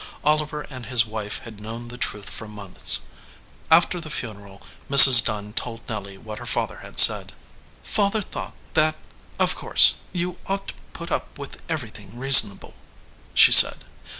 Oliver and his wife had known the truth for months. After the funeral Mrs. Dunn told Nelly what her father had said. "Father thought that, of course, you ought to put up with everything reasonable," she said.